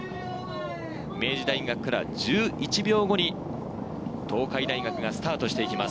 明治大学から１１秒後に東海大学がスタートしていきます。